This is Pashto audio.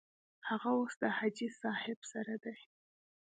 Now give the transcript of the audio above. هغه اوس د حاجي صاحب سره دی.